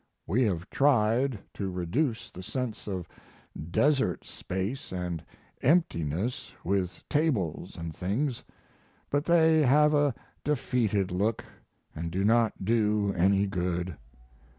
We have tried to reduce the sense of desert space & emptiness with tables & things, but they have a defeated look, & do not do any good.